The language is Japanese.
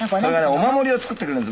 お守りを作ってくれるんです